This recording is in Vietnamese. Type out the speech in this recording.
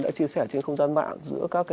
đã chia sẻ trên không gian mạng